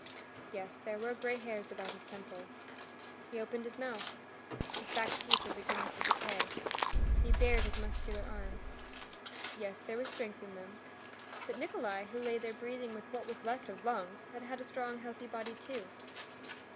Yes, there were gray hairs about his temples. He opened his mouth. His back teeth were beginning to decay. He bared his muscular arms. Yes, there was strength in them. But Nikolay, who lay there breathing with what was left of lungs, had had a strong, healthy body too.